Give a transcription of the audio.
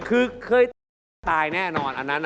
คือเคยตายแน่นอนอันนั้น